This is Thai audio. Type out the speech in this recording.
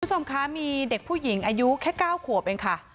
คุณผู้ชมคะมีเด็กผู้หญิงอายุแค่๙ขวบเองค่ะ